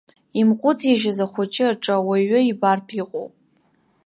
Имҟәыҵижьыз ахәыҷы аҿы ауаҩы ибартә иҟоуп.